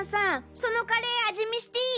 そのカレー味見していい？